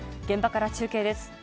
現場から中継です。